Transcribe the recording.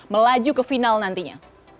melaju ke final nantinya